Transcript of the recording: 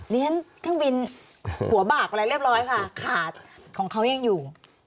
เรียนเครื่องบินหัวบากอะไรเรียบร้อยค่ะขาดของเขายังอยู่